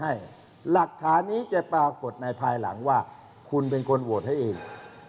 หลักฐานนี้จะปรากฏในภายหลังว่าคุณเป็นคนโหวตให้เอง